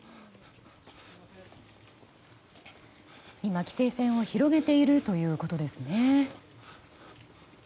今、規制線を広げているということですね。